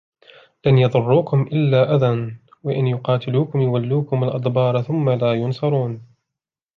لَنْ يَضُرُّوكُمْ إِلَّا أَذًى وَإِنْ يُقَاتِلُوكُمْ يُوَلُّوكُمُ الْأَدْبَارَ ثُمَّ لَا يُنْصَرُونَ